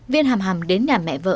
viên hằm hằm đến nhà mẹ vợ